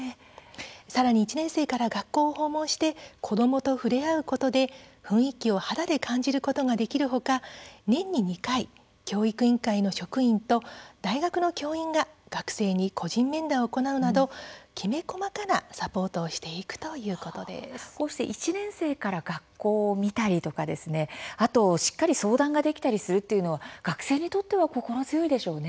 さらに１年生から学校の訪問をして子どもと触れ合うことで雰囲気を肌で感じることができる他年に２回、教育委員会の職員と大学の教員が学生に個人面談を行うなどきめ細かなサポートをこうして１年生から学校を見たりしっかり相談ができたりするというのは学生にとっては心強いでしょうね。